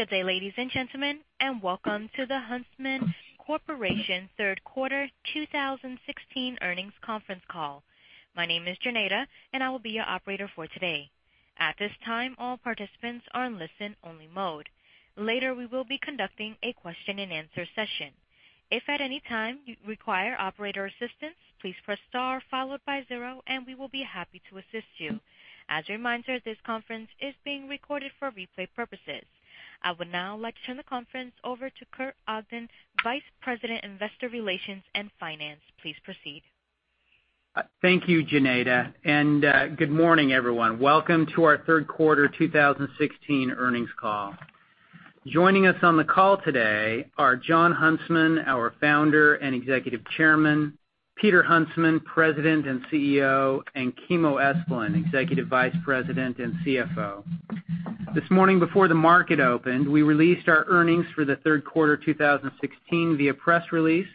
Good day, ladies and gentlemen. Welcome to the Huntsman Corporation third quarter 2016 earnings conference call. My name is Janeda. I will be your operator for today. At this time, all participants are in listen-only mode. Later, we will be conducting a question and answer session. If at any time you require operator assistance, please press star followed by zero. We will be happy to assist you. As a reminder, this conference is being recorded for replay purposes. I would now like to turn the conference over to Kurt Ogden, Vice President, Investor Relations and Finance. Please proceed. Thank you, Janeda. Good morning, everyone. Welcome to our third quarter 2016 earnings call. Joining us on the call today are Jon Huntsman, our Founder and Executive Chairman, Peter Huntsman, President and CEO, and Kimo Esplin, Executive Vice President and CFO. This morning before the market opened, we released our earnings for the third quarter 2016 via press release.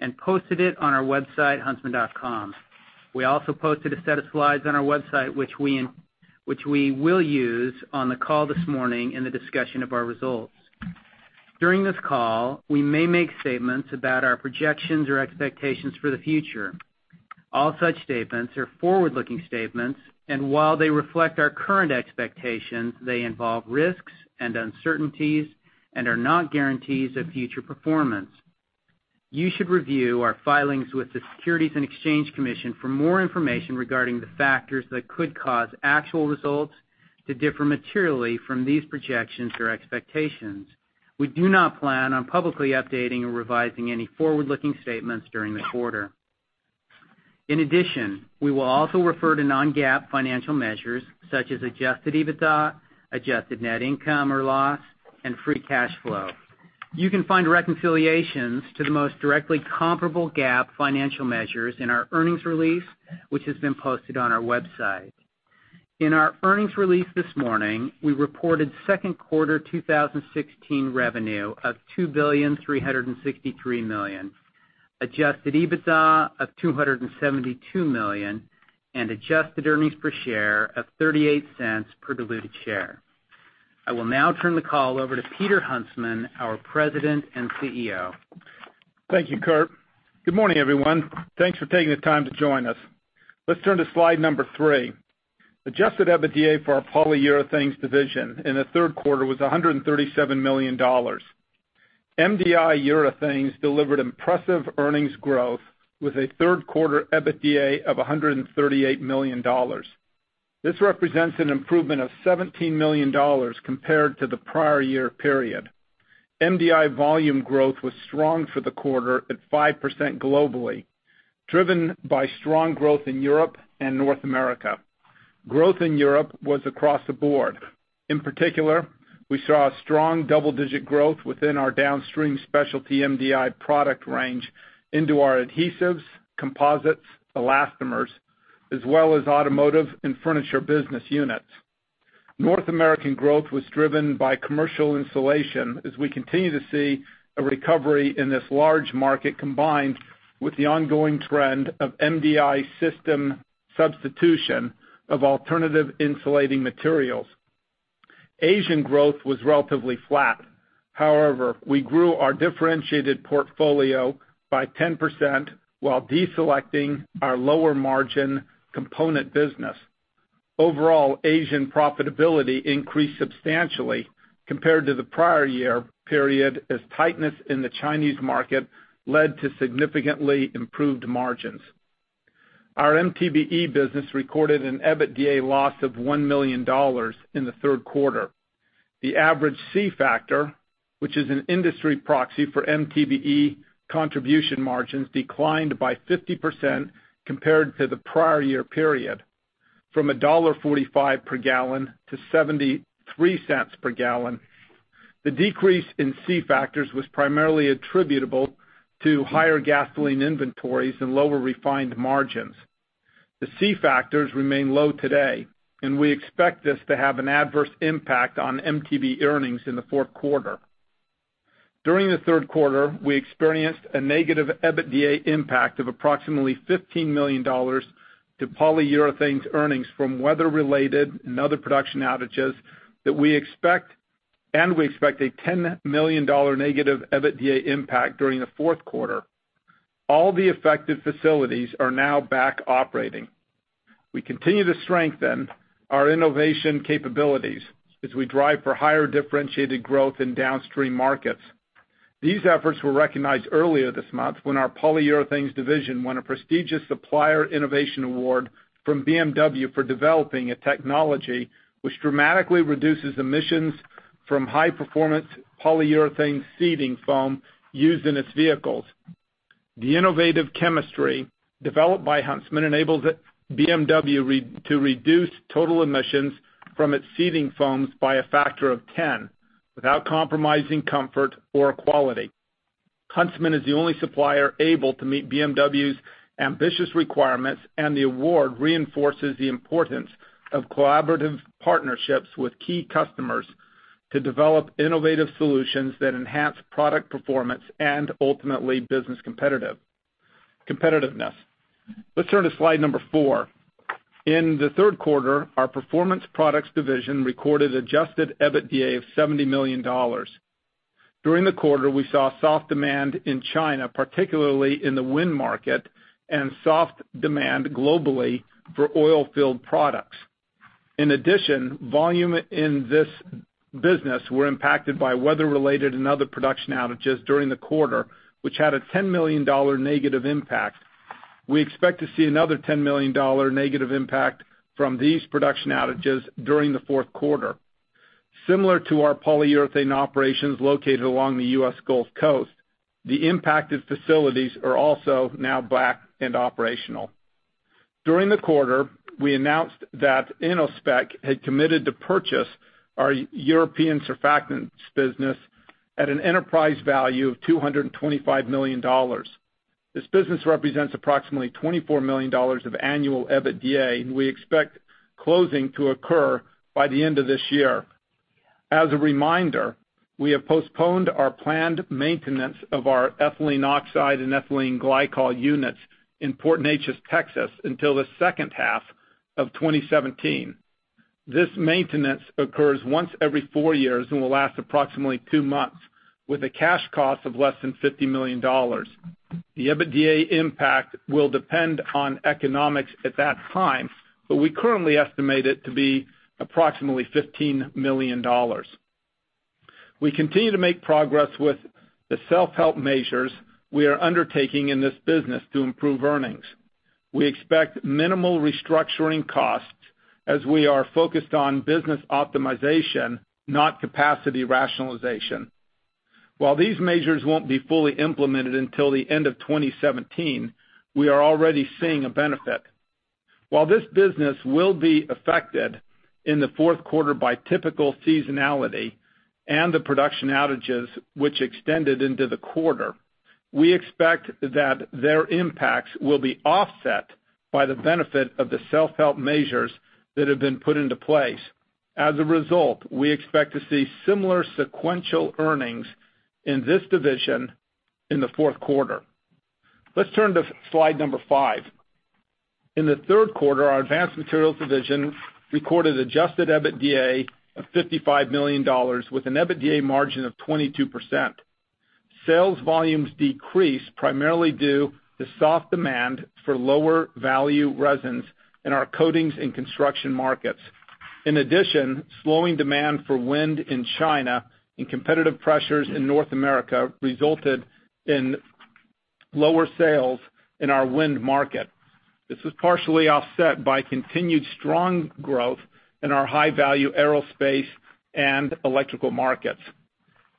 We posted it on our website, huntsman.com. We also posted a set of slides on our website, which we will use on the call this morning in the discussion of our results. During this call, we may make statements about our projections or expectations for the future. All such statements are forward-looking statements. While they reflect our current expectations, they involve risks and uncertainties and are not guarantees of future performance. You should review our filings with the Securities and Exchange Commission for more information regarding the factors that could cause actual results to differ materially from these projections or expectations. We do not plan on publicly updating or revising any forward-looking statements during the quarter. In addition, we will also refer to non-GAAP financial measures such as adjusted EBITDA, adjusted net income or loss, and free cash flow. You can find reconciliations to the most directly comparable GAAP financial measures in our earnings release, which has been posted on our website. In our earnings release this morning, we reported third quarter 2016 revenue of $2,363 million, adjusted EBITDA of $272 million, and adjusted earnings per share of $0.38 per diluted share. I will now turn the call over to Peter Huntsman, our President and CEO. Thank you, Kurt. Good morning, everyone. Thanks for taking the time to join us. Let's turn to slide number three. Adjusted EBITDA for our Polyurethanes division in the third quarter was $137 million. MDI urethanes delivered impressive earnings growth with a third-quarter EBITDA of $138 million. This represents an improvement of $17 million compared to the prior year period. MDI volume growth was strong for the quarter at 5% globally, driven by strong growth in Europe and North America. Growth in Europe was across the board. In particular, we saw a strong double-digit growth within our downstream specialty MDI product range into our adhesives, composites, elastomers, as well as automotive and furniture business units. North American growth was driven by commercial insulation as we continue to see a recovery in this large market combined with the ongoing trend of MDI system substitution of alternative insulating materials. Asian growth was relatively flat. We grew our differentiated portfolio by 10% while deselecting our lower-margin component business. Asian profitability increased substantially compared to the prior year period as tightness in the Chinese market led to significantly improved margins. Our MTBE business recorded an EBITDA loss of $1 million in the third quarter. The average C factor, which is an industry proxy for MTBE contribution margins, declined by 50% compared to the prior year period, from $1.45 per gallon to $0.73 per gallon. The decrease in C factors was primarily attributable to higher gasoline inventories and lower refined margins. The C factors remain low today, and we expect this to have an adverse impact on MTBE earnings in the fourth quarter. During the third quarter, we experienced a negative EBITDA impact of approximately $15 million to Polyurethanes earnings from weather-related and other production outages, we expect a $10 million negative EBITDA impact during the fourth quarter. All the affected facilities are now back operating. We continue to strengthen our innovation capabilities as we drive for higher differentiated growth in downstream markets. These efforts were recognized earlier this month when our Polyurethanes division won a prestigious supplier innovation award from BMW for developing a technology which dramatically reduces emissions from high-performance polyurethane seating foam used in its vehicles. The innovative chemistry developed by Huntsman enables BMW to reduce total emissions from its seating foams by a factor of 10 without compromising comfort or quality. Huntsman is the only supplier able to meet BMW's ambitious requirements, the award reinforces the importance of collaborative partnerships with key customers to develop innovative solutions that enhance product performance and ultimately business competitiveness. Let's turn to slide number four. In the third quarter, our Performance Products division recorded adjusted EBITDA of $70 million. During the quarter, we saw soft demand in China, particularly in the wind market, and soft demand globally for oilfield products. In addition, volume in this business were impacted by weather-related and other production outages during the quarter, which had a $10 million negative impact. We expect to see another $10 million negative impact from these production outages during the fourth quarter. Similar to our Polyurethanes operations located along the U.S. Gulf Coast, the impacted facilities are also now back and operational. During the quarter, we announced that Innospec had committed to purchase our European surfactants business at an enterprise value of $225 million. This business represents approximately $24 million of annual EBITDA, we expect closing to occur by the end of this year. As a reminder, we have postponed our planned maintenance of our ethylene oxide and ethylene glycol units in Port Neches, Texas, until the second half of 2017. This maintenance occurs once every four years and will last approximately two months, with a cash cost of less than $50 million. The EBITDA impact will depend on economics at that time, but we currently estimate it to be approximately $15 million. We continue to make progress with the self-help measures we are undertaking in this business to improve earnings. We expect minimal restructuring costs as we are focused on business optimization, not capacity rationalization. While these measures won't be fully implemented until the end of 2017, we are already seeing a benefit. While this business will be affected in the fourth quarter by typical seasonality and the production outages which extended into the quarter, we expect that their impacts will be offset by the benefit of the self-help measures that have been put into place. As a result, we expect to see similar sequential earnings in this division in the fourth quarter. Let's turn to slide number five. In the third quarter, our Advanced Materials division recorded adjusted EBITDA of $55 million with an EBITDA margin of 22%. Sales volumes decreased primarily due to soft demand for lower value resins in our coatings and construction markets. In addition, slowing demand for wind in China and competitive pressures in North America resulted in lower sales in our wind market. This was partially offset by continued strong growth in our high-value aerospace and electrical markets.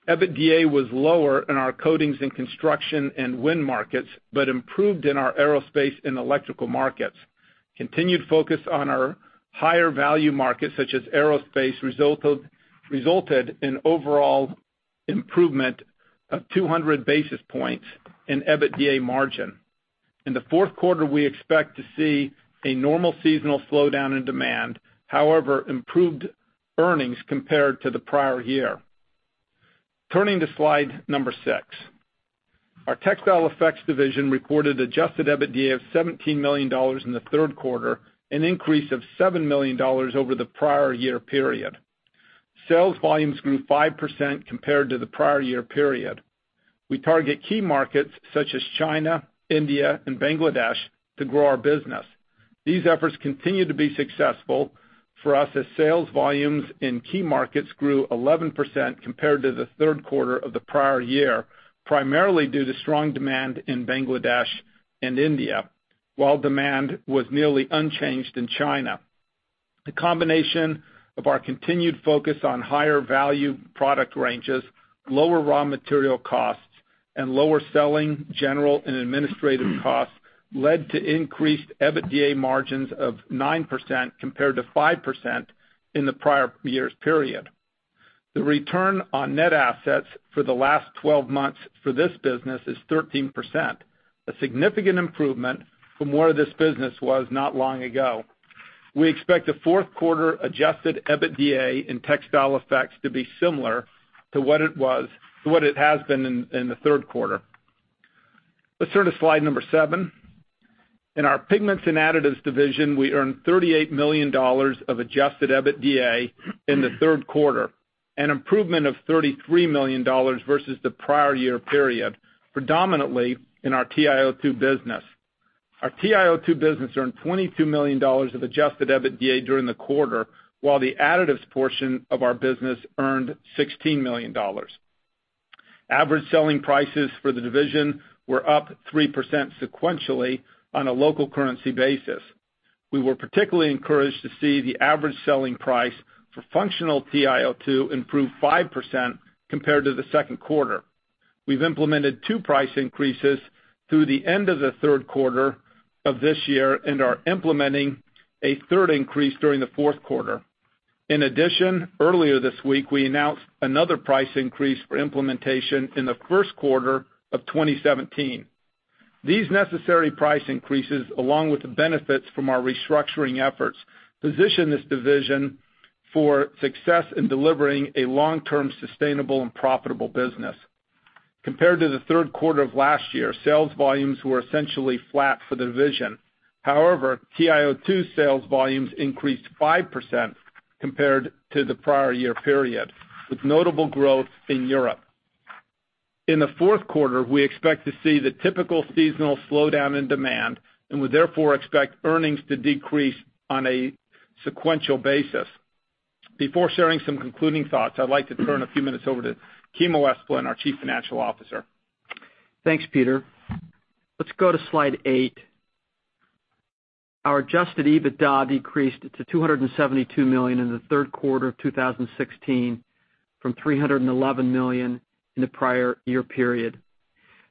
EBITDA was lower in our coatings and construction and wind markets but improved in our aerospace and electrical markets. Continued focus on our higher value markets, such as aerospace, resulted in overall improvement of 200 basis points in EBITDA margin. In the fourth quarter, we expect to see a normal seasonal slowdown in demand, however, improved earnings compared to the prior year. Turning to slide number six. Our Textile Effects division reported adjusted EBITDA of $17 million in the third quarter, an increase of $7 million over the prior year period. Sales volumes grew 5% compared to the prior year period. We target key markets such as China, India, and Bangladesh to grow our business. These efforts continue to be successful for us as sales volumes in key markets grew 11% compared to the third quarter of the prior year, primarily due to strong demand in Bangladesh and India, while demand was nearly unchanged in China. The combination of our continued focus on higher value product ranges, lower raw material costs, and lower selling, general, and administrative costs led to increased EBITDA margins of 9% compared to 5% in the prior year's period. The return on net assets for the last 12 months for this business is 13%, a significant improvement from where this business was not long ago. We expect the fourth quarter adjusted EBITDA in Textile Effects to be similar to what it has been in the third quarter. Let's turn to slide number seven. In our Pigments and Additives division, we earned $38 million of adjusted EBITDA in the third quarter, an improvement of $33 million versus the prior year period, predominantly in our TiO2 business. Our TiO2 business earned $22 million of adjusted EBITDA during the quarter, while the additives portion of our business earned $16 million. Average selling prices for the division were up 3% sequentially on a local currency basis. We were particularly encouraged to see the average selling price for functional TiO2 improve 5% compared to the second quarter. We've implemented two price increases through the end of the third quarter of this year and are implementing a third increase during the fourth quarter. In addition, earlier this week, we announced another price increase for implementation in the first quarter of 2017. These necessary price increases, along with the benefits from our restructuring efforts, position this division for success in delivering a long-term sustainable and profitable business. Compared to the third quarter of last year, sales volumes were essentially flat for the division. However, TiO2 sales volumes increased 5% compared to the prior year period, with notable growth in Europe. In the fourth quarter, we expect to see the typical seasonal slowdown in demand and would therefore expect earnings to decrease on a sequential basis. Before sharing some concluding thoughts, I'd like to turn a few minutes over to Kimo Esplin, our Chief Financial Officer. Thanks, Peter. Let's go to slide eight. Our adjusted EBITDA decreased to $272 million in the third quarter of 2016 from $311 million in the prior year period.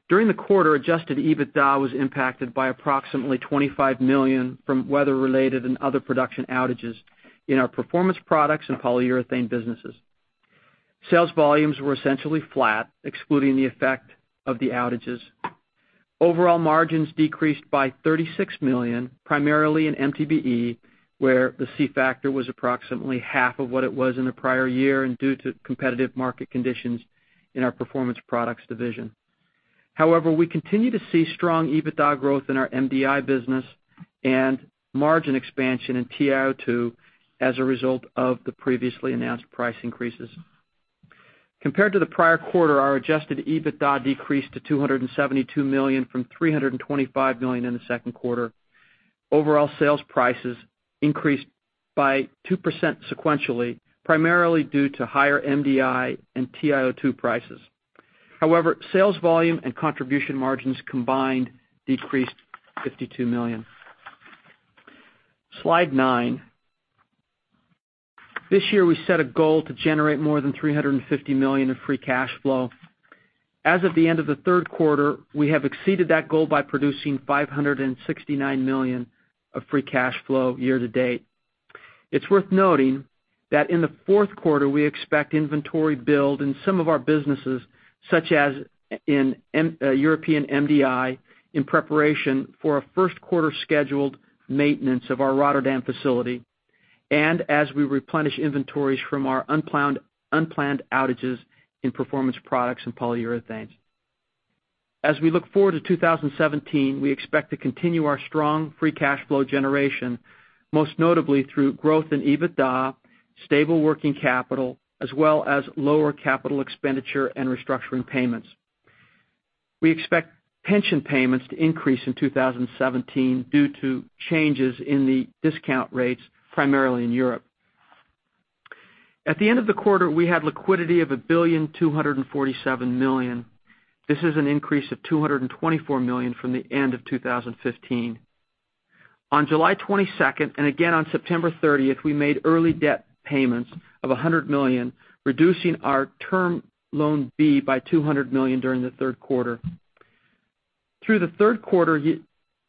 During the quarter, adjusted EBITDA was impacted by approximately $25 million from weather-related and other production outages in our Performance Products and Polyurethanes businesses. Sales volumes were essentially flat, excluding the effect of the outages. Overall margins decreased by $36 million, primarily in MTBE, where the C factor was approximately half of what it was in the prior year and due to competitive market conditions in our Performance Products division. We continue to see strong EBITDA growth in our MDI business and margin expansion in TiO2 as a result of the previously announced price increases. Compared to the prior quarter, our adjusted EBITDA decreased to $272 million from $325 million in the second quarter. Overall sales prices increased by 2% sequentially, primarily due to higher MDI and TiO2 prices. Sales volume and contribution margins combined decreased $52 million. Slide nine. This year, we set a goal to generate more than $350 million in free cash flow. As of the end of the third quarter, we have exceeded that goal by producing $569 million of free cash flow year to date. It's worth noting that in the fourth quarter, we expect inventory build in some of our businesses, such as in European MDI, in preparation for a first-quarter scheduled maintenance of our Rotterdam facility, and as we replenish inventories from our unplanned outages in Performance Products and Polyurethanes. As we look forward to 2017, we expect to continue our strong free cash flow generation, most notably through growth in EBITDA, stable working capital, as well as lower capital expenditure and restructuring payments. We expect pension payments to increase in 2017 due to changes in the discount rates, primarily in Europe. At the end of the quarter, we had liquidity of $1,247 million. This is an increase of $224 million from the end of 2015. On July 22nd and again on September 30th, we made early debt payments of $100 million, reducing our term loan B by $200 million during the third quarter. Through the third quarter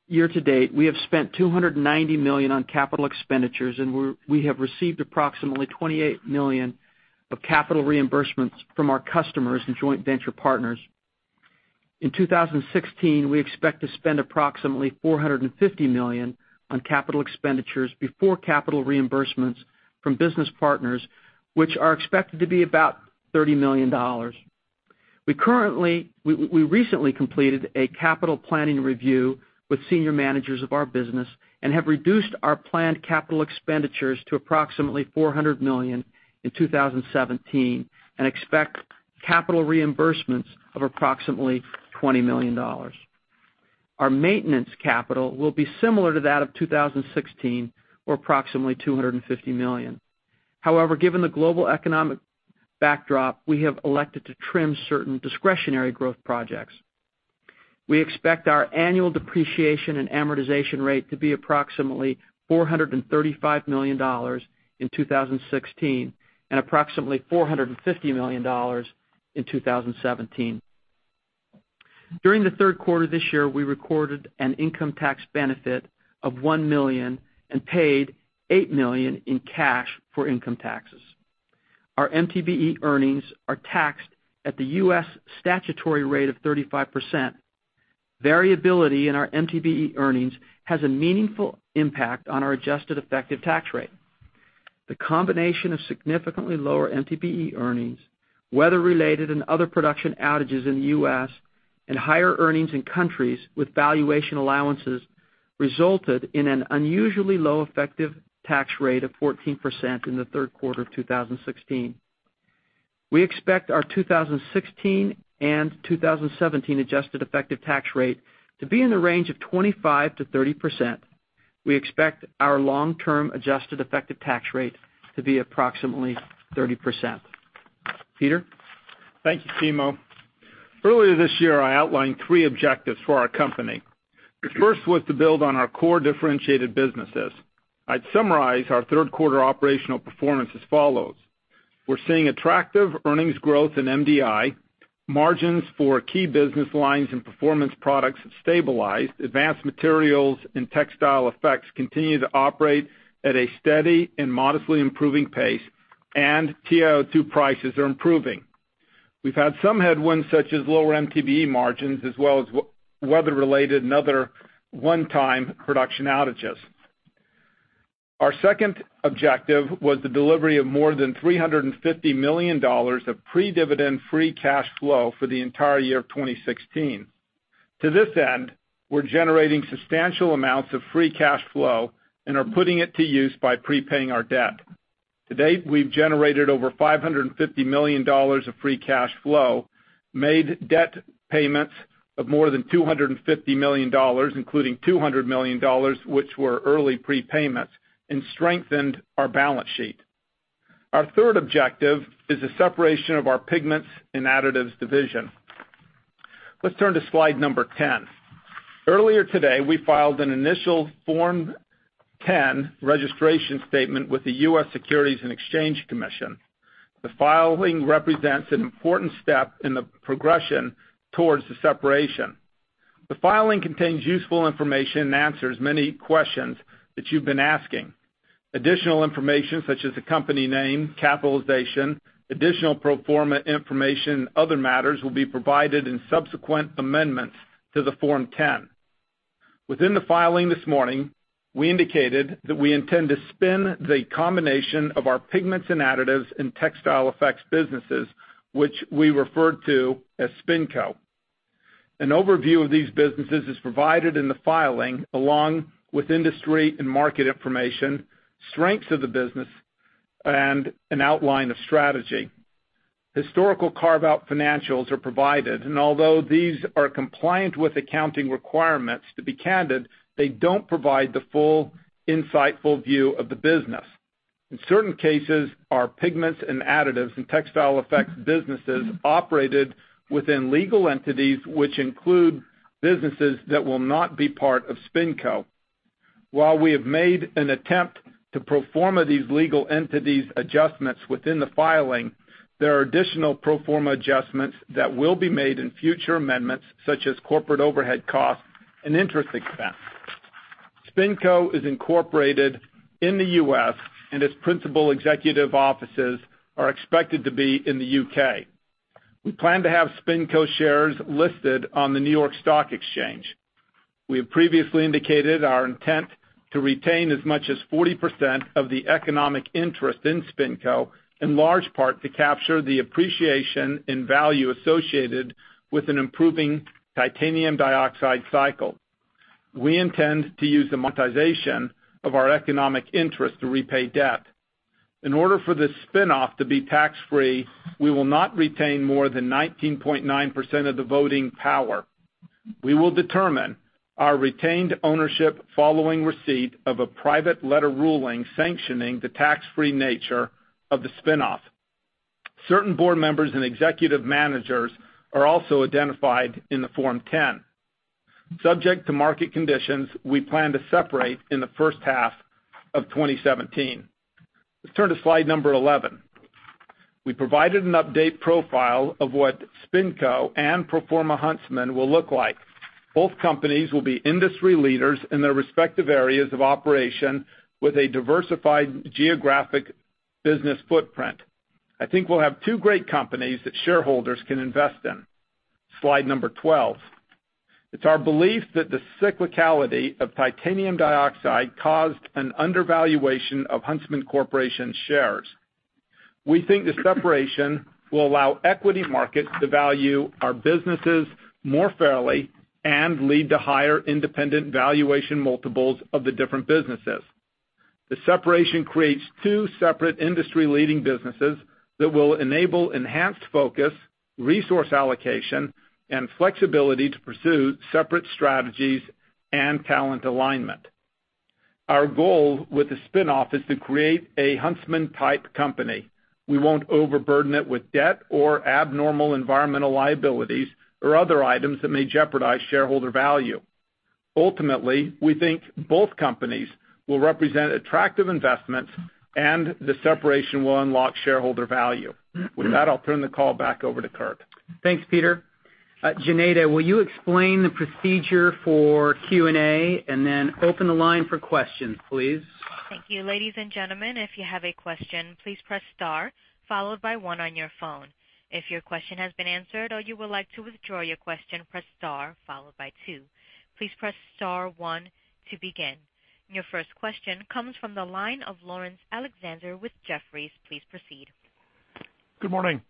year to date, we have spent $290 million on capital expenditures, and we have received approximately $28 million of capital reimbursements from our customers and joint venture partners. In 2016, we expect to spend approximately $450 million on capital expenditures before capital reimbursements from business partners, which are expected to be about $30 million. We recently completed a capital planning review with senior managers of our business and have reduced our planned capital expenditures to approximately $400 million in 2017 and expect capital reimbursements of approximately $20 million. Our maintenance capital will be similar to that of 2016 or approximately $250 million. However, given the global economic backdrop, we have elected to trim certain discretionary growth projects. We expect our annual depreciation and amortization rate to be approximately $435 million in 2016 and approximately $450 million in 2017. During the third quarter this year, we recorded an income tax benefit of $1 million and paid $8 million in cash for income taxes. Our MTBE earnings are taxed at the U.S. statutory rate of 35%. Variability in our MTBE earnings has a meaningful impact on our adjusted effective tax rate. The combination of significantly lower MTBE earnings, weather-related and other production outages in the U.S., and higher earnings in countries with valuation allowances resulted in an unusually low effective tax rate of 14% in the third quarter of 2016. We expect our 2016 and 2017 adjusted effective tax rate to be in the range of 25%-30%. We expect our long-term adjusted effective tax rate to be approximately 30%. Peter? Thank you, Kimo. Earlier this year, I outlined three objectives for our company. The first was to build on our core differentiated businesses. I would summarize our third quarter operational performance as follows. We are seeing attractive earnings growth in MDI. Margins for key business lines and Performance Products have stabilized. Advanced Materials and Textile Effects continue to operate at a steady and modestly improving pace, and TiO2 prices are improving. We have had some headwinds, such as lower MTBE margins, as well as weather-related and other one-time production outages. Our second objective was the delivery of more than $350 million of pre-dividend free cash flow for the entire year of 2016. To this end, we are generating substantial amounts of free cash flow and are putting it to use by prepaying our debt. To date, we have generated over $550 million of free cash flow, made debt payments of more than $250 million, including $200 million, which were early prepayments, and strengthened our balance sheet. Our third objective is the separation of our Pigments and Additives division. Let's turn to slide number 10. Earlier today, we filed an initial Form 10 registration statement with the U.S. Securities and Exchange Commission. The filing represents an important step in the progression towards the separation. The filing contains useful information and answers many questions that you have been asking. Additional information, such as the company name, capitalization, additional pro forma information, and other matters will be provided in subsequent amendments to the Form 10. Within the filing this morning, we indicated that we intend to spin the combination of our Pigments and Additives and Textile Effects businesses, which we refer to as SpinCo. An overview of these businesses is provided in the filing, along with industry and market information, strengths of the business, and an outline of strategy. Historical carve-out financials are provided, although these are compliant with accounting requirements, to be candid, they don't provide the full insightful view of the business. In certain cases, our Pigments and Additives and Textile Effects businesses operated within legal entities, which include businesses that will not be part of SpinCo. While we have made an attempt to pro forma these legal entities' adjustments within the filing, there are additional pro forma adjustments that will be made in future amendments, such as corporate overhead costs and interest expense. SpinCo is incorporated in the U.S., and its principal executive offices are expected to be in the U.K. We plan to have SpinCo shares listed on the New York Stock Exchange. We have previously indicated our intent to retain as much as 40% of the economic interest in SpinCo, in large part to capture the appreciation in value associated with an improving titanium dioxide cycle. We intend to use the monetization of our economic interest to repay debt. In order for this spin-off to be tax-free, we will not retain more than 19.9% of the voting power. We will determine our retained ownership following receipt of a private letter ruling sanctioning the tax-free nature of the spin-off. Certain board members and executive managers are also identified in the Form 10. Subject to market conditions, we plan to separate in the first half of 2017. Let's turn to slide number 11. We provided an update profile of what SpinCo and pro forma Huntsman will look like. Both companies will be industry leaders in their respective areas of operation with a diversified geographic business footprint. I think we'll have two great companies that shareholders can invest in. Slide number 12. It's our belief that the cyclicality of titanium dioxide caused an undervaluation of Huntsman Corporation shares. We think the separation will allow equity markets to value our businesses more fairly and lead to higher independent valuation multiples of the different businesses. The separation creates two separate industry-leading businesses that will enable enhanced focus, resource allocation, and flexibility to pursue separate strategies and talent alignment. Our goal with the spin-off is to create a Huntsman-type company. We won't overburden it with debt or abnormal environmental liabilities or other items that may jeopardize shareholder value. Ultimately, we think both companies will represent attractive investments, and the separation will unlock shareholder value. With that, I'll turn the call back over to Kurt. Thanks, Peter. Janeda, will you explain the procedure for Q&A and then open the line for questions, please? Thank you. Ladies and gentlemen, if you have a question, please press star, followed by one on your phone. If your question has been answered or you would like to withdraw your question, press star followed by two. Please press star one to begin. Your first question comes from the line of Laurence Alexander with Jefferies. Please proceed. Good morning.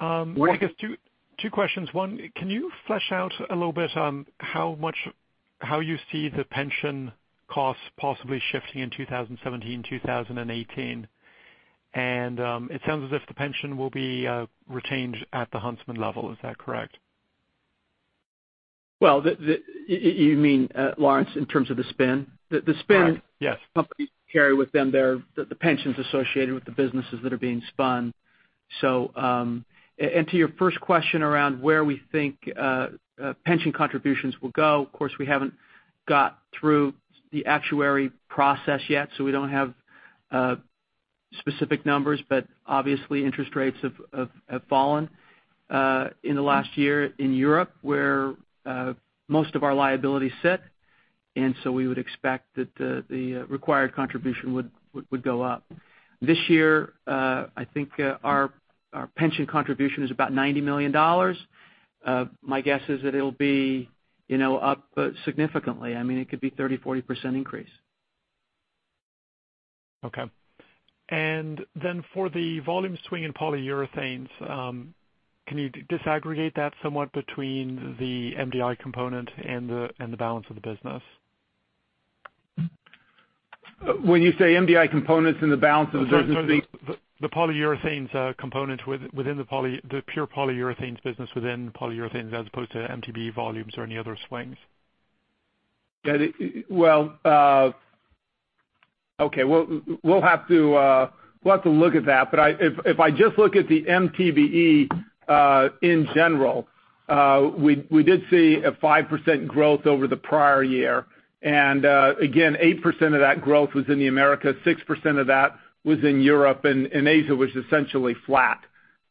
Morning. I guess two questions. One, can you flesh out a little bit on how you see the pension costs possibly shifting in 2017, 2018? It sounds as if the pension will be retained at the Huntsman level. Is that correct? You mean, Laurence, in terms of the spin? Correct. Yes. The spin companies carry with them the pensions associated with the businesses that are being spun. To your first question around where we think pension contributions will go, of course, we haven't got through the actuarial process yet, so we don't have specific numbers, but obviously interest rates have fallen in the last year in Europe where most of our liabilities sit. So we would expect that the required contribution would go up. This year, I think our pension contribution is about $90 million. My guess is that it'll be up significantly. It could be 30%, 40% increase. Okay. For the volume swing in Polyurethanes, can you disaggregate that somewhat between the MDI component and the balance of the business? When you say MDI components and the balance of the business. Sorry. The Polyurethanes component within the pure Polyurethanes business within the Polyurethanes, as opposed to MTBE volumes or any other swings. Okay. We'll have to look at that. If I just look at the MTBE in general, we did see a 5% growth over the prior year. Again, 8% of that growth was in the Americas, 6% of that was in Europe, and Asia was essentially flat.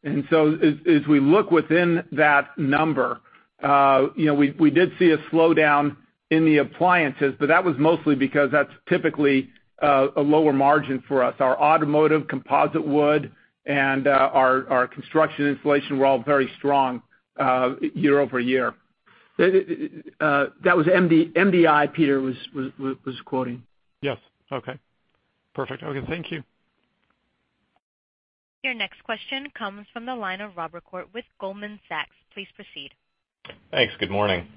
As we look within that number, we did see a slowdown in the appliances, but that was mostly because that's typically a lower margin for us. Our automotive composite wood and our construction insulation were all very strong year-over-year. That was MDI, Peter was quoting. Yes. Okay. Perfect. Okay, thank you. Your next question comes from the line of Robert Koort with Goldman Sachs. Please proceed. Thanks. Good morning.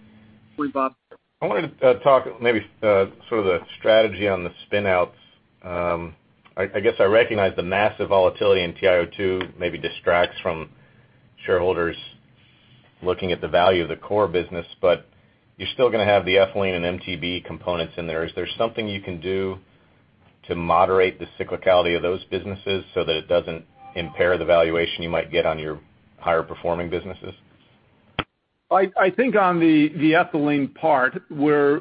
Good morning, Bob. I wanted to talk maybe sort of the strategy on the spin-outs. I guess I recognize the massive volatility in TiO2 maybe distracts from shareholders looking at the value of the core business, but you're still going to have the ethylene and MTBE components in there. Is there something you can do to moderate the cyclicality of those businesses so that it doesn't impair the valuation you might get on your higher performing businesses? I think on the ethylene part, we're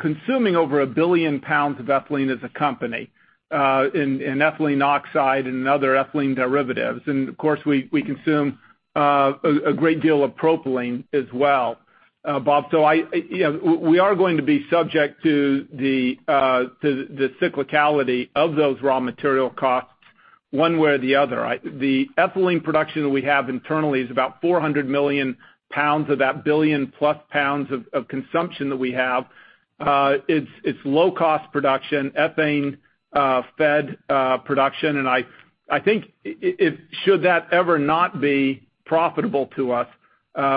consuming over 1 billion pounds of ethylene as a company, in ethylene oxide and other ethylene derivatives. Of course, we consume a great deal of propylene as well, Bob. We are going to be subject to the cyclicality of those raw material costs one way or the other. The ethylene production that we have internally is about 400 million pounds of that 1 billion plus pounds of consumption that we have. It's low-cost production, ethane-fed production, and I think should that ever not be profitable to us,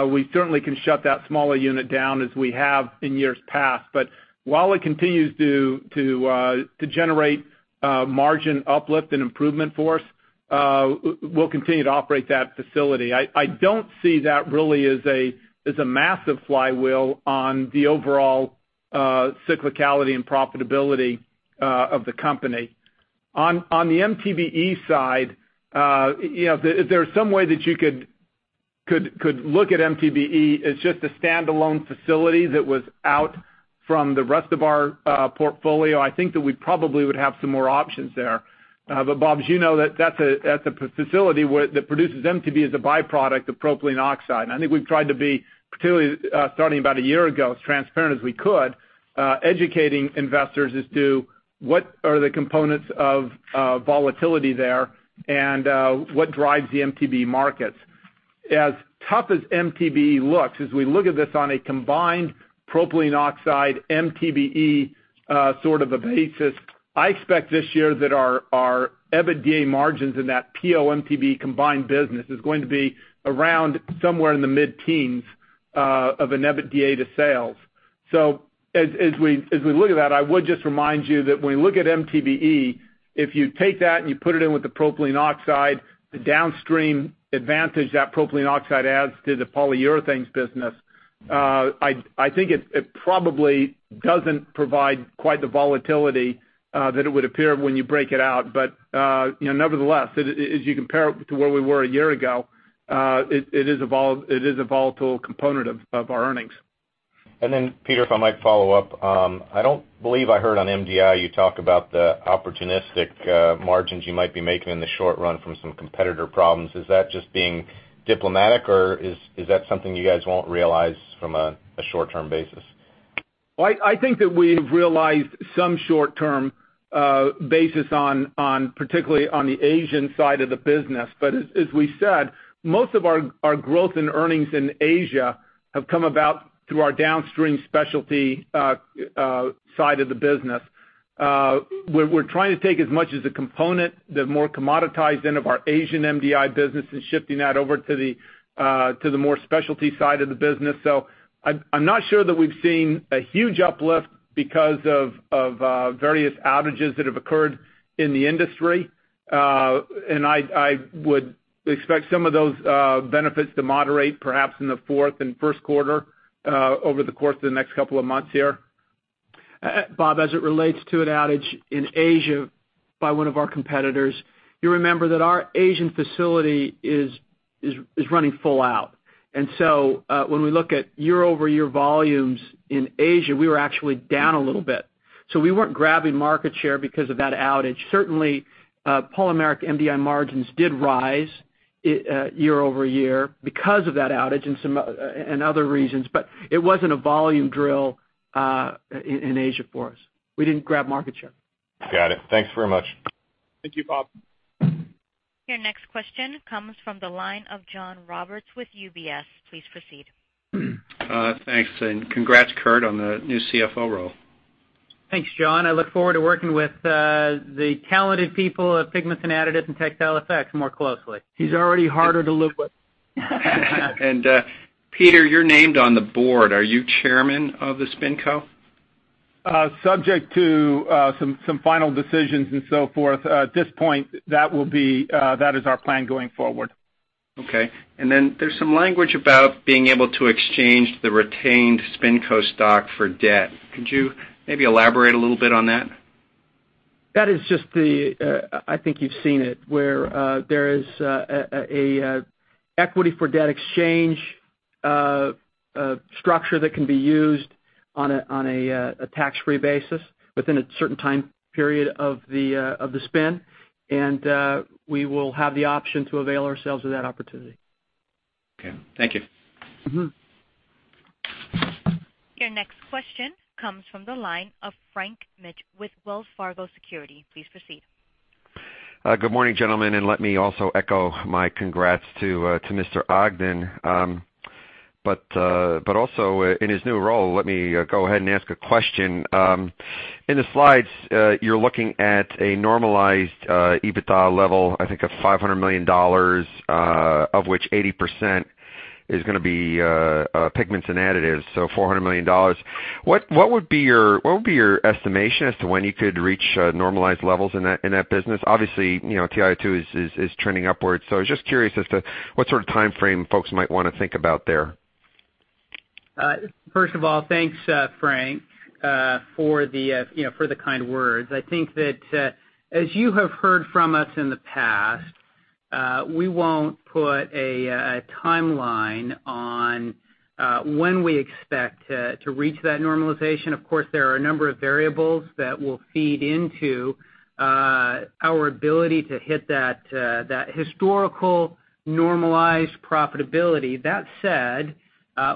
we certainly can shut that smaller unit down as we have in years past. While it continues to generate margin uplift and improvement for us, we'll continue to operate that facility. I don't see that really as a massive flywheel on the overall cyclicality and profitability of the company. On the MTBE side, if there's some way that you could look at MTBE as just a standalone facility that was out from the rest of our portfolio, I think that we probably would have some more options there. Bob, as you know, that's a facility that produces MTBE as a byproduct of propylene oxide. I think we've tried to be, particularly starting about a year ago, as transparent as we could, educating investors as to what are the components of volatility there and what drives the MTBE markets. As tough as MTBE looks, as we look at this on a combined propylene oxide MTBE sort of a basis, I expect this year that our EBITDA margins in that PO MTBE combined business is going to be around somewhere in the mid-teens of an EBITDA to sales. As we look at that, I would just remind you that when you look at MTBE, if you take that and you put it in with the propylene oxide, the downstream advantage that propylene oxide adds to the Polyurethanes business, I think it probably doesn't provide quite the volatility that it would appear when you break it out. Nevertheless, as you compare it to where we were a year ago, it is a volatile component of our earnings. Peter, if I might follow up. I don't believe I heard on MDI, you talk about the opportunistic margins you might be making in the short run from some competitor problems. Is that just being diplomatic, or is that something you guys won't realize from a short-term basis? I think that we've realized some short-term basis particularly on the Asian side of the business. As we said, most of our growth in earnings in Asia have come about through our downstream specialty side of the business. We're trying to take as much as a component, the more commoditized end of our Asian MDI business and shifting that over to the more specialty side of the business. I'm not sure that we've seen a huge uplift because of various outages that have occurred in the industry. I would expect some of those benefits to moderate perhaps in the fourth and first quarter over the course of the next couple of months here. Bob, as it relates to an outage in Asia by one of our competitors, you remember that our Asian facility is running full out. When we look at year-over-year volumes in Asia, we were actually down a little bit. We weren't grabbing market share because of that outage. Certainly, polymeric MDI margins did rise year-over-year because of that outage and other reasons, but it wasn't a volume drill in Asia for us. We didn't grab market share. Got it. Thanks very much. Thank you, Bob. Your next question comes from the line of John Roberts with UBS. Please proceed. Thanks, congrats, Kurt, on the new CFO role. Thanks, John. I look forward to working with the talented people of Pigments and Additives and Textile Effects more closely. He's already harder to live with. Peter, you're named on the board. Are you chairman of the SpinCo? Subject to some final decisions and so forth. At this point, that is our plan going forward. Okay. There's some language about being able to exchange the retained SpinCo stock for debt. Could you maybe elaborate a little bit on that? That is just the, I think you've seen it, where there is an equity-for-debt exchange structure that can be used on a tax-free basis within a certain time period of the spin, and we will have the option to avail ourselves of that opportunity. Okay. Thank you. Your next question comes from the line of Frank Mitsch with Wells Fargo Securities. Please proceed. Good morning, gentlemen. Let me also echo my congrats to Mr. Ogden. Also, in his new role, let me go ahead and ask a question. In the slides, you're looking at a normalized EBITDA level, I think of $500 million, of which 80% is going to be Pigments and Additives, so $400 million. What would be your estimation as to when you could reach normalized levels in that business? Obviously, TiO2 is trending upwards. I was just curious as to what sort of timeframe folks might want to think about there. First of all, thanks, Frank, for the kind words. I think that as you have heard from us in the past, we won't put a timeline on when we expect to reach that normalization. Of course, there are a number of variables that will feed into our ability to hit that historical normalized profitability. That said,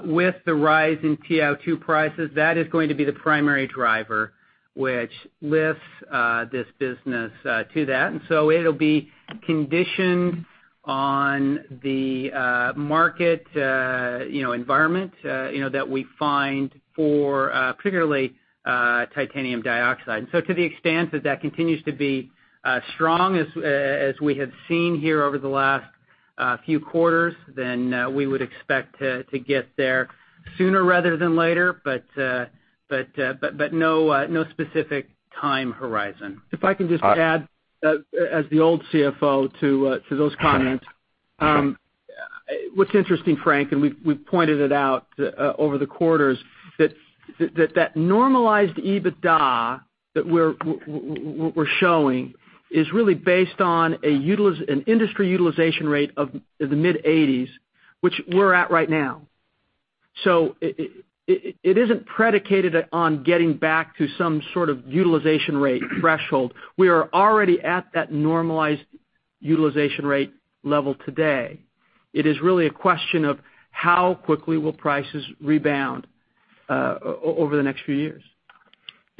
with the rise in TiO2 prices, that is going to be the primary driver which lifts this business to that. It'll be conditioned on the market environment that we find for particularly titanium dioxide. To the extent that that continues to be as strong as we have seen here over the last few quarters, then we would expect to get there sooner rather than later, but no specific time horizon. If I can just add, as the old CFO, to those comments. What's interesting, Frank, and we've pointed it out over the quarters, that normalized EBITDA that we're showing is really based on an industry utilization rate of the mid-80s, which we're at right now. It isn't predicated on getting back to some sort of utilization rate threshold. We are already at that normalized utilization rate level today. It is really a question of how quickly will prices rebound over the next few years.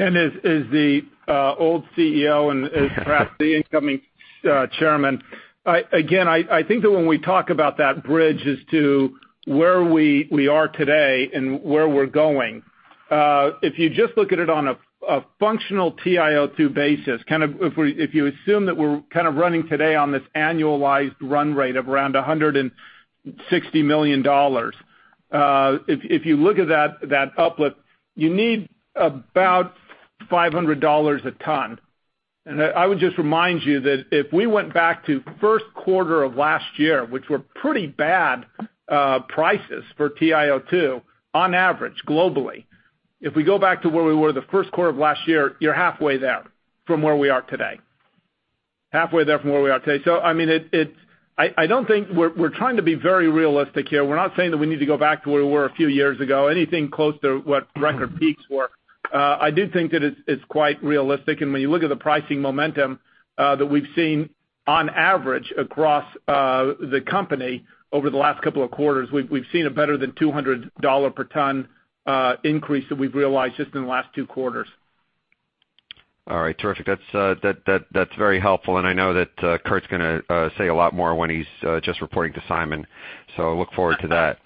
As the old CEO and perhaps the incoming chairman, again, I think that when we talk about that bridge as to where we are today and where we're going, if you just look at it on a functional TiO2 basis, if you assume that we're kind of running today on this annualized run rate of around $160 million. If you look at that uplift, you need about $500 a ton. I would just remind you that if we went back to first quarter of last year, which were pretty bad prices for TiO2 on average, globally, if we go back to where we were the first quarter of last year, you're halfway there from where we are today. We're trying to be very realistic here. We're not saying that we need to go back to where we were a few years ago, anything close to what record peaks were. I do think that it's quite realistic. When you look at the pricing momentum that we've seen on average across the company over the last couple of quarters, we've seen a better than $200 per ton increase that we've realized just in the last two quarters. All right. Terrific. That's very helpful, and I know that Kurt's going to say a lot more when he's just reporting to Simon, so I look forward to that.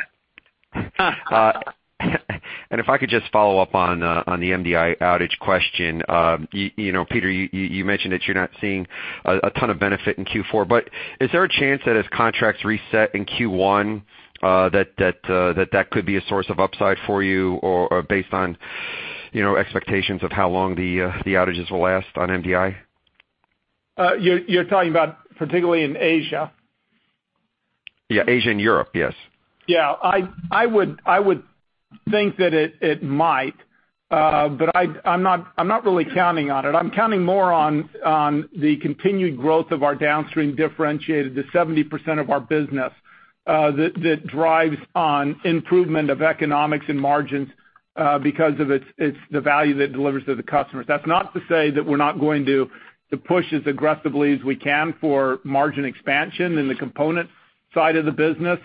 If I could just follow up on the MDI outage question. Peter, you mentioned that you're not seeing a ton of benefit in Q4, but is there a chance that as contracts reset in Q1, that that could be a source of upside for you or based on expectations of how long the outages will last on MDI? You're talking about particularly in Asia? Yeah, Asia and Europe. Yes. Yeah. I would think that it might, but I'm not really counting on it. I'm counting more on the continued growth of our downstream differentiated, the 70% of our business, that drives on improvement of economics and margins, because of the value that it delivers to the customers. That's not to say that we're not going to push as aggressively as we can for margin expansion in the component side of the business.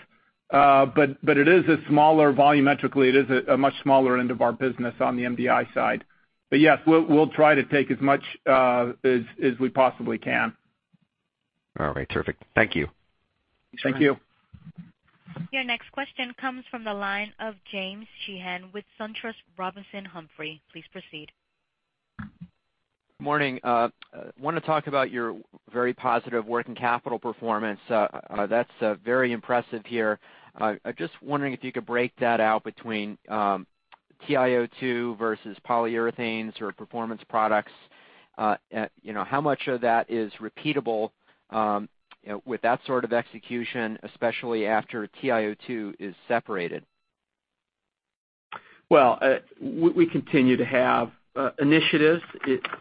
It is a smaller, volumetrically, it is a much smaller end of our business on the MDI side. Yes, we'll try to take as much as we possibly can. All right. Terrific. Thank you. Thank you. Your next question comes from the line of James Sheehan with SunTrust Robinson Humphrey. Please proceed. Morning. I want to talk about your very positive working capital performance. That's very impressive here. I'm just wondering if you could break that out between TiO2 versus Polyurethanes or Performance Products. How much of that is repeatable, with that sort of execution, especially after TiO2 is separated? We continue to have initiatives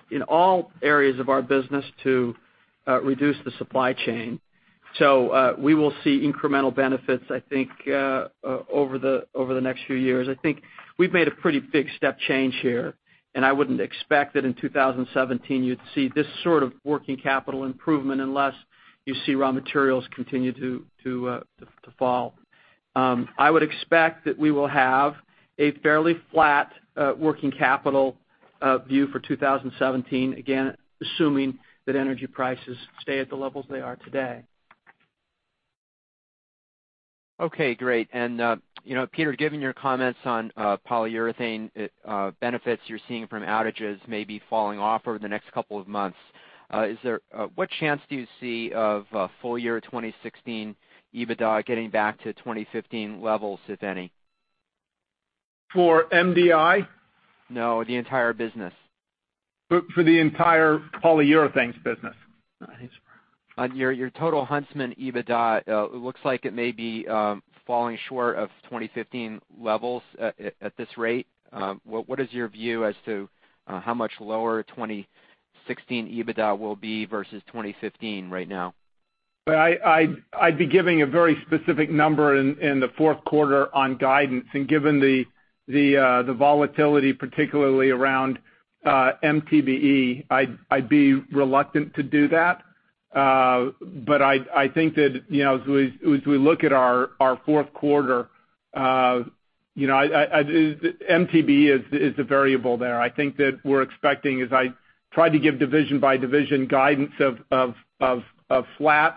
in all areas of our business to reduce the supply chain. We will see incremental benefits, I think, over the next few years. I think we've made a pretty big step change here, and I wouldn't expect that in 2017 you'd see this sort of working capital improvement unless you see raw materials continue to fall. I would expect that we will have a fairly flat working capital view for 2017, again, assuming that energy prices stay at the levels they are today. Okay, great. Peter, given your comments on polyurethane benefits you're seeing from outages maybe falling off over the next couple of months, what chance do you see of full year 2016 EBITDA getting back to 2015 levels, if any? For MDI? No, the entire business. For the entire Polyurethanes business. On your total Huntsman EBITDA, it looks like it may be falling short of 2015 levels at this rate. What is your view as to how much lower 2016 EBITDA will be versus 2015 right now? I'd be giving a very specific number in the fourth quarter on guidance, given the volatility particularly around MTBE, I'd be reluctant to do that. I think that as we look at our fourth quarter, MTBE is a variable there. I think that we're expecting, as I tried to give division by division guidance of flat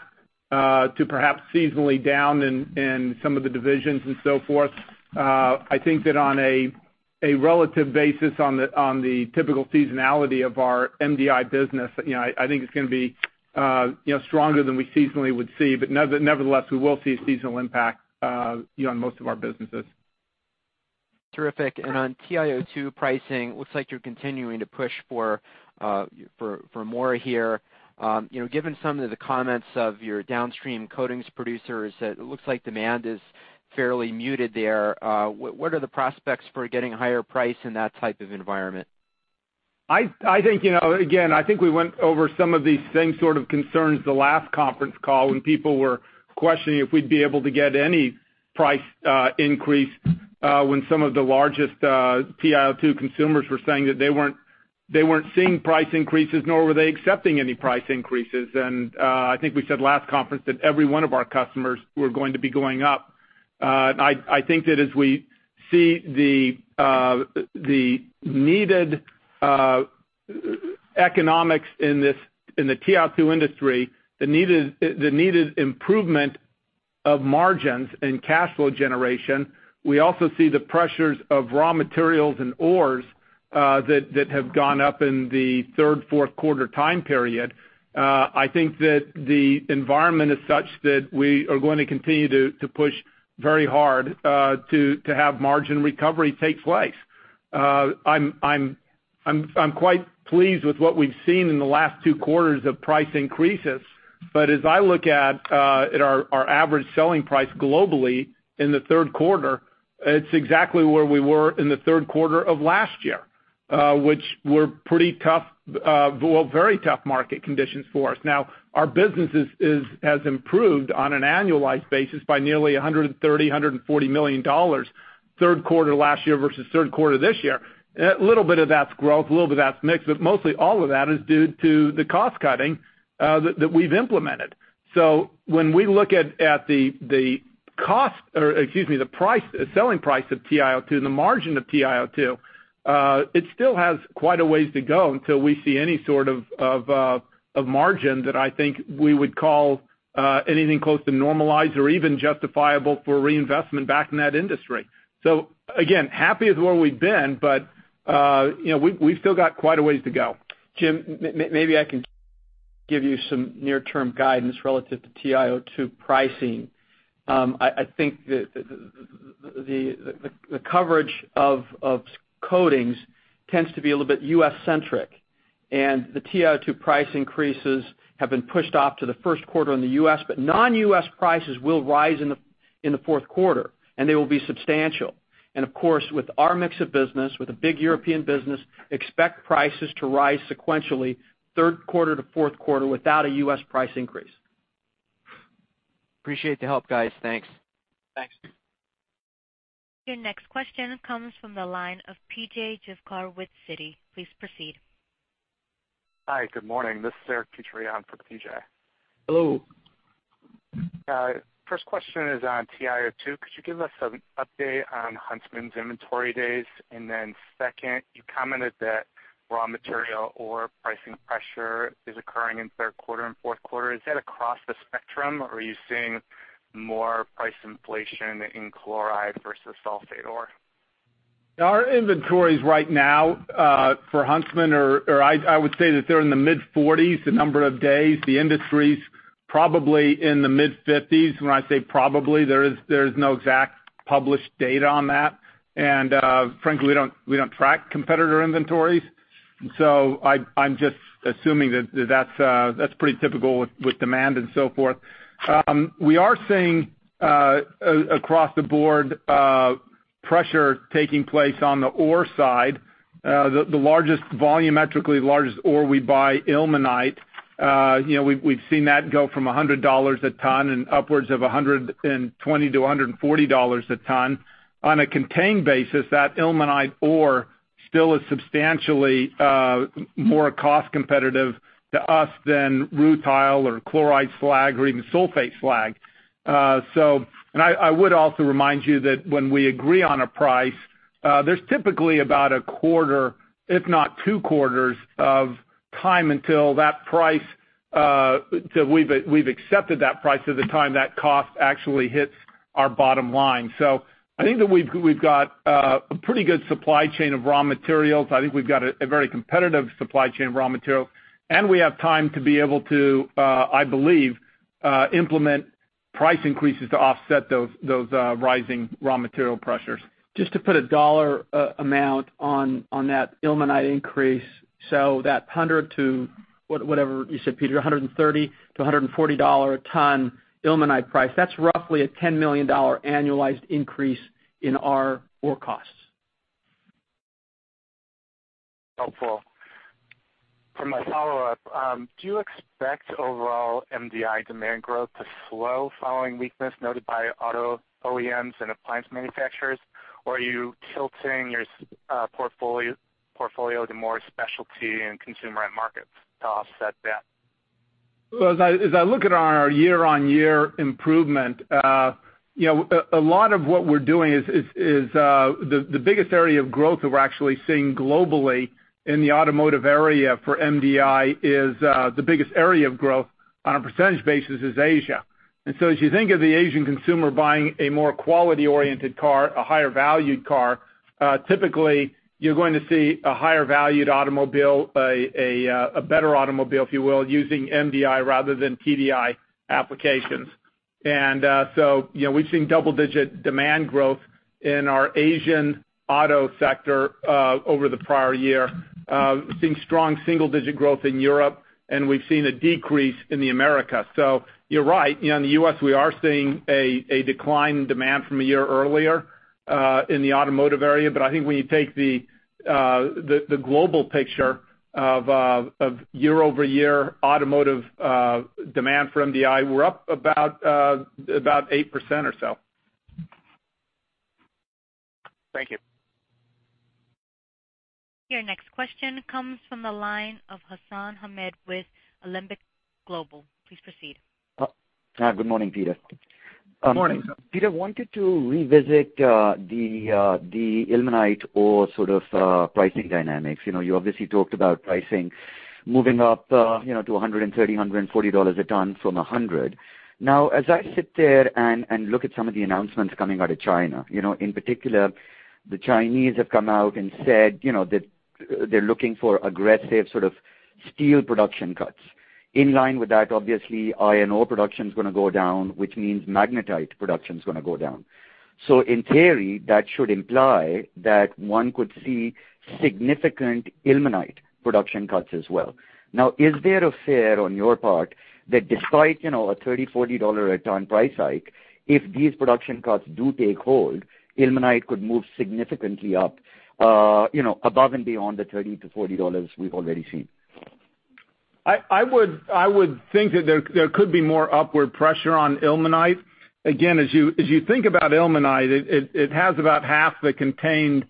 to perhaps seasonally down in some of the divisions and so forth. I think that on a relative basis on the typical seasonality of our MDI business, I think it's going to be stronger than we seasonally would see. Nevertheless, we will see a seasonal impact on most of our businesses. Terrific. On TiO2 pricing, looks like you're continuing to push for more here. Given some of the comments of your downstream coatings producers, it looks like demand is fairly muted there. What are the prospects for getting a higher price in that type of environment? I think we went over some of these same sort of concerns the last conference call when people were questioning if we'd be able to get any price increase, when some of the largest TiO2 consumers were saying that they weren't seeing price increases, nor were they accepting any price increases. I think we said last conference that every one of our customers were going to be going up. I think that as we see the needed economics in the TiO2 industry, the needed improvement of margins and cash flow generation, we also see the pressures of raw materials and ores that have gone up in the third, fourth quarter. I think that the environment is such that we are going to continue to push very hard to have margin recovery take place. I'm quite pleased with what we've seen in the last two quarters of price increases. As I look at our average selling price globally in the third quarter, it's exactly where we were in the third quarter of last year, which were pretty tough, well very tough market conditions for us. Our business has improved on an annualized basis by nearly $130 million-$140 million, third quarter last year versus third quarter this year. A little bit of that's growth, a little bit of that's mix, but mostly all of that is due to the cost cutting that we've implemented. When we look at the selling price of TiO2 and the margin of TiO2, it still has quite a ways to go until we see any sort of margin that I think we would call anything close to normalized or even justifiable for reinvestment back in that industry. Happy with where we've been, we've still got quite a ways to go. Jim, maybe I can give you some near term guidance relative to TiO2 pricing. I think the coverage of coatings tends to be a little bit U.S.-centric. The TiO2 price increases have been pushed off to the first quarter in the U.S. Non-U.S. prices will rise in the fourth quarter, and they will be substantial. Of course, with our mix of business, with a big European business, expect prices to rise sequentially third quarter to fourth quarter without a U.S. price increase. Appreciate the help, guys. Thanks. Thanks. Your next question comes from the line of P.J. Juvekar with Citi. Please proceed. Hi. Good morning. This is Eric Petrie for P.J. Hello. First question is on TiO2. Second, you commented that raw material or pricing pressure is occurring in third quarter and fourth quarter. Is that across the spectrum, or are you seeing more price inflation in chloride versus sulfate ore? Our inventories right now, for Huntsman are, I would say that they're in the mid-40s, the number of days. The industry's probably in the mid-50s. When I say probably, there's no exact published data on that. Frankly, we don't track competitor inventories. I'm just assuming that that's pretty typical with demand and so forth. We are seeing across the board pressure taking place on the ore side. The volumetrically largest ore we buy, ilmenite. We've seen that go from $100 a ton and upwards of 120 to $140 a ton. On a contained basis, that ilmenite ore still is substantially more cost competitive to us than rutile or chloride slag or even sulfate slag. I would also remind you that when we agree on a price, there's typically about a quarter, if not two quarters of time until we've accepted that price is the time that cost actually hits our bottom line. I think that we've got a pretty good supply chain of raw materials. I think we've got a very competitive supply chain of raw material, and we have time to be able to, I believe, implement price increases to offset those rising raw material pressures. Just to put a dollar amount on that ilmenite increase. That 100 to whatever you said, Peter, $130 to $140 a ton ilmenite price. That's roughly a $10 million annualized increase in our ore costs. Helpful. For my follow-up, do you expect overall MDI demand growth to slow following weakness noted by auto OEMs and appliance manufacturers, or are you tilting your portfolio to more specialty and consumer end markets to offset that? As I look at our year-over-year improvement, a lot of what we're doing is the biggest area of growth that we're actually seeing globally in the automotive area for MDI is the biggest area of growth on a percentage basis is Asia. As you think of the Asian consumer buying a more quality-oriented car, a higher valued car, typically you're going to see a higher valued automobile, a better automobile, if you will, using MDI rather than TDI applications. We've seen double-digit demand growth in our Asian auto sector over the prior year. We've seen strong single-digit growth in Europe, and we've seen a decrease in the Americas. You're right. In the U.S., we are seeing a decline in demand from a year earlier, in the automotive area. I think when you take the global picture of year-over-year automotive demand for MDI, we're up about 8% or so. Thank you. Your next question comes from the line of Hassan Ahmed with Alembic Global Advisors. Please proceed. Hi. Good morning, Peter. Good morning. Peter, wanted to revisit the ilmenite ore sort of pricing dynamics. You obviously talked about pricing moving up to $130, $140 a ton from $100. As I sit there and look at some of the announcements coming out of China, in particular, the Chinese have come out and said that they're looking for aggressive sort of steel production cuts. In line with that, obviously, iron ore production is going to go down, which means magnetite production is going to go down. In theory, that should imply that one could see significant ilmenite production cuts as well. Is there a fear on your part that despite a $30, $40 a ton price hike, if these production cuts do take hold, ilmenite could move significantly up above and beyond the $30-$40 we've already seen? I would think that there could be more upward pressure on ilmenite. As you think about ilmenite, it has about half the contained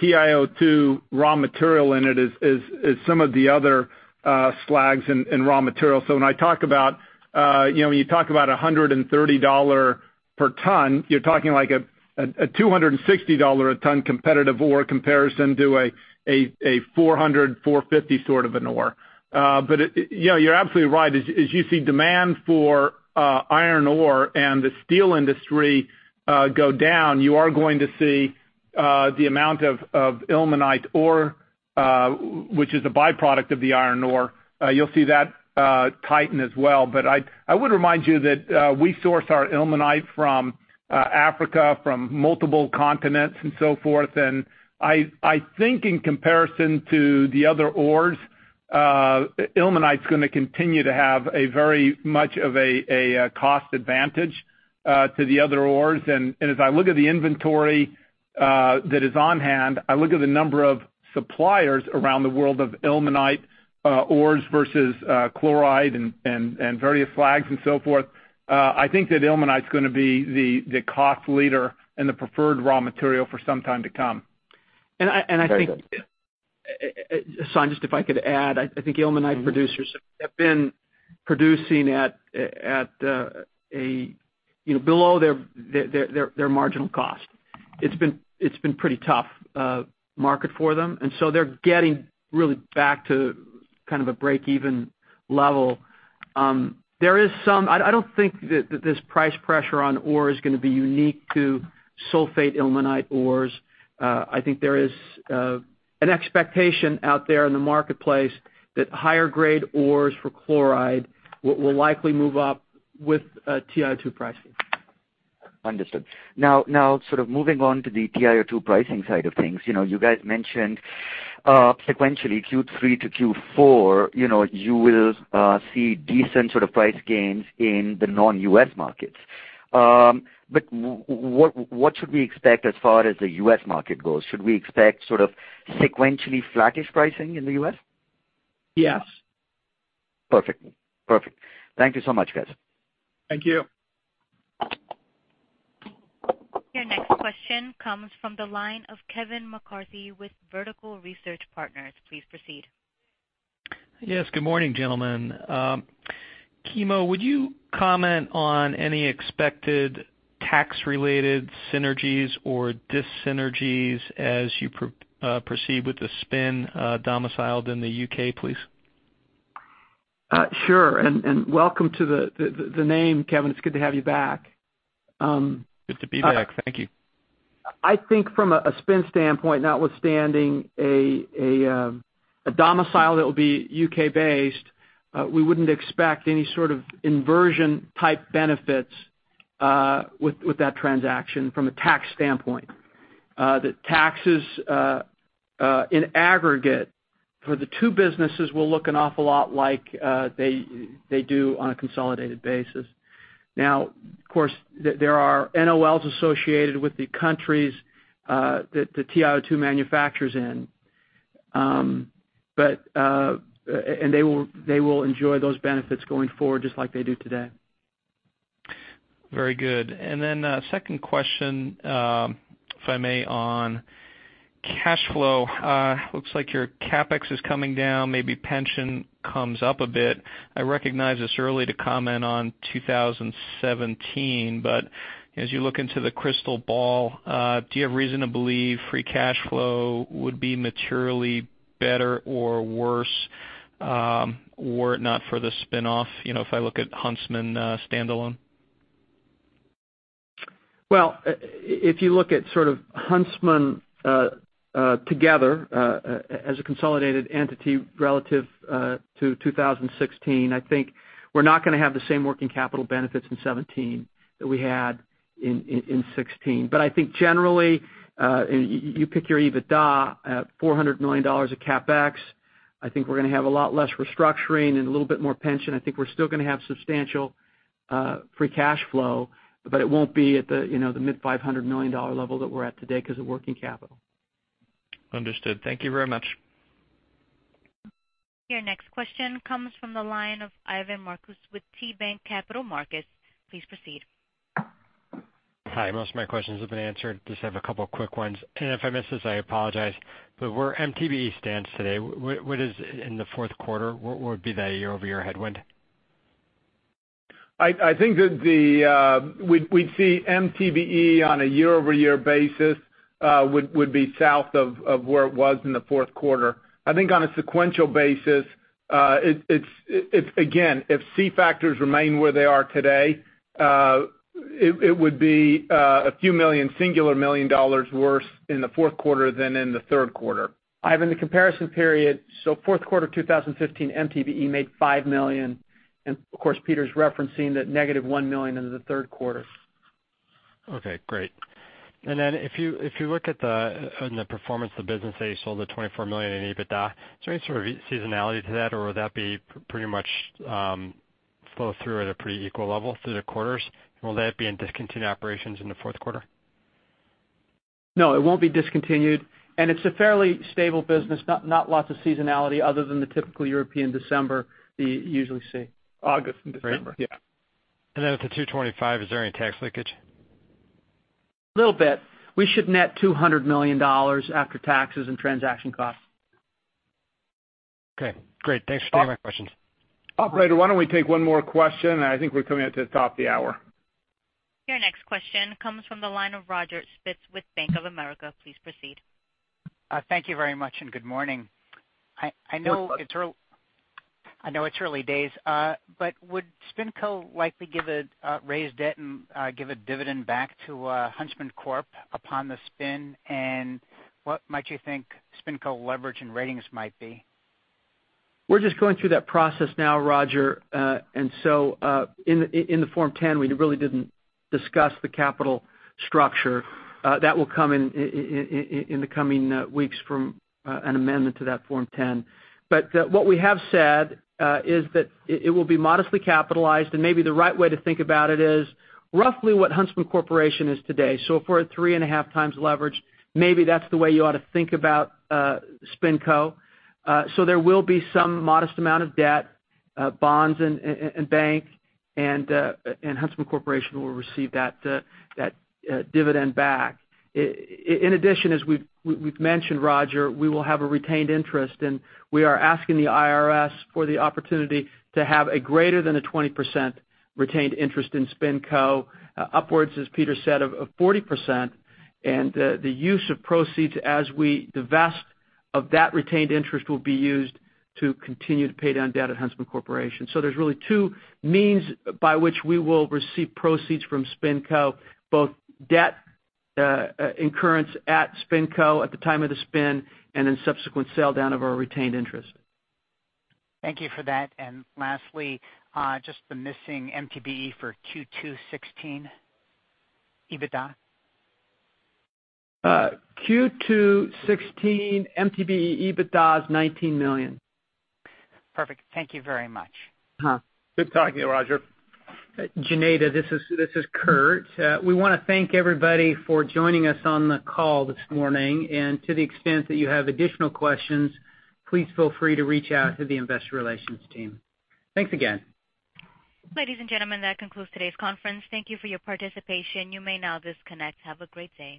TiO2 raw material in it as some of the other slags and raw materials. When you talk about $130 per ton, you're talking like a $260 a ton competitive ore comparison to a 400, 450 sort of an ore. You're absolutely right. As you see demand for iron ore and the steel industry go down, you are going to see the amount of ilmenite ore, which is a by-product of the iron ore, you'll see that tighten as well. I would remind you that we source our ilmenite from Africa, from multiple continents and so forth. I think in comparison to the other ores ilmenite's going to continue to have a very much of a cost advantage to the other ores. As I look at the inventory that is on hand, I look at the number of suppliers around the world of ilmenite ores versus chloride and various slags and so forth, I think that ilmenite's going to be the cost leader and the preferred raw material for some time to come. Very good. I think, Hassan, just if I could add, I think Ilmenite producers have been producing at below their marginal cost. It's been pretty tough market for them. So they're getting really back to kind of a break-even level. I don't think that this price pressure on ore is going to be unique to sulfate ilmenite ores. I think there is an expectation out there in the marketplace that higher grade ores for chloride will likely move up with TiO2 pricing. Understood. Moving on to the TiO2 pricing side of things. You guys mentioned sequentially Q3 to Q4 you will see decent price gains in the non-U.S. markets. What should we expect as far as the U.S. market goes? Should we expect sequentially flattish pricing in the U.S.? Yes. Perfect. Thank you so much, guys. Thank you. Your next question comes from the line of Kevin McCarthy with Vertical Research Partners. Please proceed. Yes. Good morning, gentlemen. Kimo, would you comment on any expected tax-related synergies or dyssynergies as you proceed with the spin domiciled in the U.K., please? Sure. Welcome to the name, Kevin. It's good to have you back. Good to be back. Thank you. I think from a spin standpoint, notwithstanding a domicile that will be U.K.-based, we wouldn't expect any sort of inversion type benefits with that transaction from a tax standpoint. The taxes in aggregate for the two businesses will look an awful lot like they do on a consolidated basis. Now, of course, there are NOLs associated with the countries that TiO2 manufactures in. They will enjoy those benefits going forward just like they do today. A second question, if I may, on cash flow. Looks like your CapEx is coming down, maybe pension comes up a bit. I recognize it's early to comment on 2017. As you look into the crystal ball, do you have reason to believe free cash flow would be materially better or worse, were it not for the spin-off, if I look at Huntsman standalone? If you look at sort of Huntsman together as a consolidated entity relative to 2016, I think we're not going to have the same working capital benefits in 2017 that we had in 2016. I think generally you pick your EBITDA at $400 million of CapEx. I think we're going to have a lot less restructuring and a little bit more pension. I think we're still going to have substantial free cash flow, it won't be at the mid $500 million level that we're at today because of working capital. Understood. Thank you very much. Your next question comes from the line of Ivan Marcuse with KeyBanc Capital Markets. Please proceed. Hi. Most of my questions have been answered. Just have a couple of quick ones. If I miss this, I apologize, where MTBE stands today, in the fourth quarter, what would be the year-over-year headwind? I think that we'd see MTBE on a year-over-year basis would be south of where it was in the fourth quarter. I think on a sequential basis, again, if C factors remain where they are today, it would be a few million, singular million dollars worse in the fourth quarter than in the third quarter. Ivan, the comparison period, fourth quarter 2015, MTBE made $5 million. Of course Peter's referencing that negative $1 million into the third quarter. Okay, great. If you look in the performance of the business, say you sold the $24 million in EBITDA, is there any sort of seasonality to that or would that be pretty much flow through at a pretty equal level through the quarters? Will that be in discontinued operations in the fourth quarter? No, it won't be discontinued. It's a fairly stable business, not lots of seasonality other than the typical European December that you usually see. August and December. Yeah. Then with the 225, is there any tax leakage? Little bit. We should net $200 million after taxes and transaction costs. Okay, great. Thanks for taking my questions. Operator, why don't we take one more question? I think we're coming up to the top of the hour. Your next question comes from the line of Roger Spitz with Bank of America. Please proceed. Thank you very much. Good morning. I know it's early days. Would SpinCo likely raise debt and give a dividend back to Huntsman Corp upon the spin? What might you think SpinCo leverage and ratings might be? We're just going through that process now, Roger. In the Form 10, we really didn't discuss the capital structure. That will come in the coming weeks from an amendment to that Form 10. What we have said is that it will be modestly capitalized, and maybe the right way to think about it is roughly what Huntsman Corporation is today. If we're at three and a half times leverage, maybe that's the way you ought to think about SpinCo. There will be some modest amount of debt, bonds and bank, and Huntsman Corporation will receive that dividend back. In addition, as we've mentioned, Roger, we will have a retained interest, and we are asking the IRS for the opportunity to have a greater than a 20% retained interest in SpinCo upwards, as Peter said, of 40%. The use of proceeds as we divest of that retained interest will be used to continue to pay down debt at Huntsman Corporation. There's really two means by which we will receive proceeds from SpinCo, both debt incurrence at SpinCo at the time of the spin and in subsequent sell down of our retained interest. Thank you for that. Lastly, just the missing MTBE for Q2 2016 EBITDA. Q2 2016 MTBE EBITDA is $19 million. Perfect. Thank you very much. Good talking to you, Roger. Jeneda, this is Kurt. We want to thank everybody for joining us on the call this morning. To the extent that you have additional questions, please feel free to reach out to the investor relations team. Thanks again. Ladies and gentlemen, that concludes today's conference. Thank you for your participation. You may now disconnect. Have a great day.